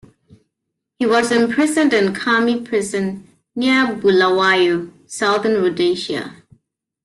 He was imprisoned in Khami Prison near Bulawayo, Southern Rhodesia.